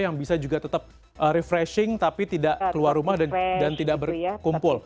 yang bisa juga tetap refreshing tapi tidak keluar rumah dan tidak berkumpul